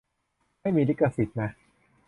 ไม่มีลิขสิทธิ์นะ